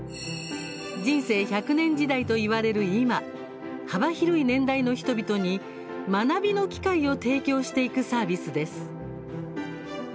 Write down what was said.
人生１００年時代と言われる今幅広い年代の人々に学びの機会を提供していくサービスです。